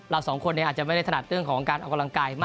สองคนอาจจะไม่ได้ถนัดเรื่องของการออกกำลังกายมาก